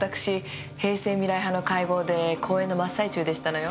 平成未来派の会合で講演の真っ最中でしたのよ。